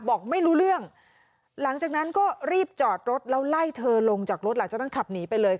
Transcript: บอกไม่รู้เรื่องหลังจากนั้นก็รีบจอดรถแล้วไล่เธอลงจากรถหลังจากนั้นขับหนีไปเลย